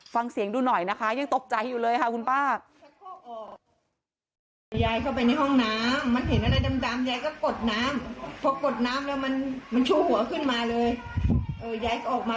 ฟังเสียงดูหน่อยนะคะยังตกใจอยู่เลยค่ะคุณป้า